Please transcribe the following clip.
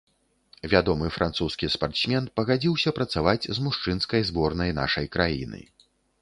Вядомы французскі спартсмен пагадзіўся працаваць з мужчынскай зборнай нашай краіны.